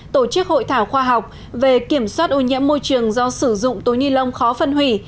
tổ chức hội thảo khoa học về kiểm soát ô nhiễm môi trường do sử dụng túi ni lông khó phân hủy